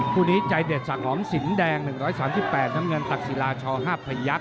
คู่นี้ใจเด็ดสักหอมสินแดง๑๓๘นตักศิราชช๕พยักษ์